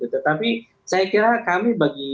tetapi saya kira kami bagi